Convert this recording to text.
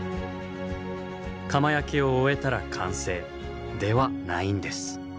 窯焼きを終えたら完成ではないんです。